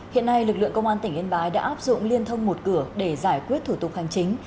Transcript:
hiện nay lực lượng công an tỉnh yên bái đã áp dụng liên thông một cửa để giải quyết thủ tục hành chính